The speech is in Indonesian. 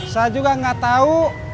saya juga gak tau